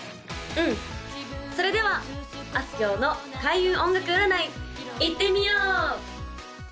うんそれではあすきょうの開運音楽占いいってみよう！